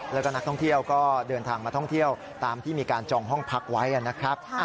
แล้วก็นักท่องเที่ยวก็เดินทางมาท่องเที่ยวตามที่มีการจองห้องพักไว้นะครับ